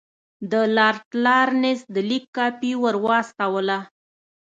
د لارډ لارنس د لیک کاپي ورواستوله.